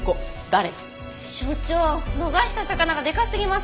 所長逃した魚がでかすぎます！